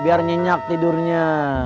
biar nyenyak tidurnya